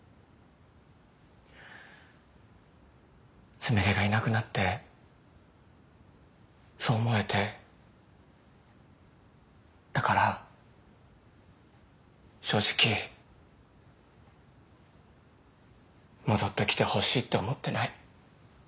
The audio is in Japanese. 純恋がいなくなってそう思えてだから正直戻ってきてほしいって思ってない。